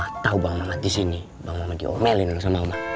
nanti kalau oma tau bang mamat disini bang mamat diomelin sama oma